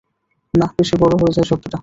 না, বেশি বড় হয়ে যায় শব্দটা।